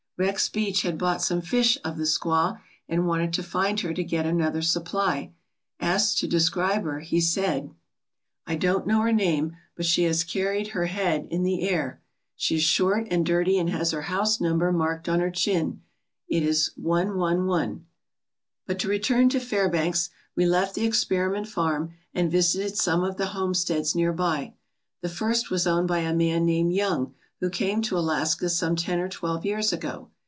Rex Beach had bought some fish of the squaw and wanted to find her to get another supply. Asked to describe her, he said: ALASKA OUR NORTHERN WONDERLAND "I don't know her name, but she carried her head in the air. She is short and dirty and has her house number marked on her chin. It is III." But to return to Fairbanks. We left the experiment farm and visited some of the homesteads near by. The first was owned by a man named Young, who came to Alaska some ten or twelve years ago.